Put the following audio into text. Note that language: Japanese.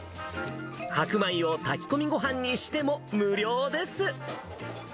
白米を炊き込みごはんにしても無料です。